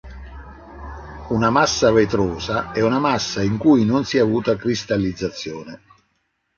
Una massa "vetrosa" è una massa in cui non si è avuta cristallizzazione.